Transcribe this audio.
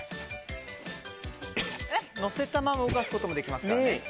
乗せたまま動かすこともできますからね。